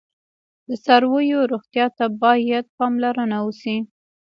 د څارویو روغتیا ته باید پاملرنه وشي.